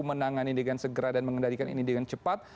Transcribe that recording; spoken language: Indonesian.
menangani dengan segera dan mengendalikan ini dengan cepat